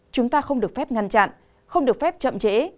chúng ta không được phép ngăn chặn không được phép chậm trễ